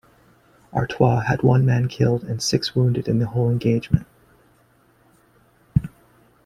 "Artois" had one man killed and six wounded in the whole engagement.